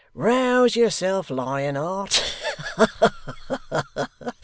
Rouse yourself, lion heart. Ha ha!